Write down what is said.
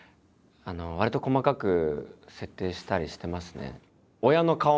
わりと細かく設定したりしてますね。